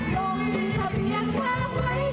โดนให้ตอนเธอแล้ววันนี้แค่รักเป็นหน้า